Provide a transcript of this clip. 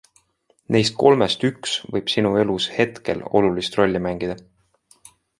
Neist kolmest üks võib sinu elus hetkel olulist rolli mängida.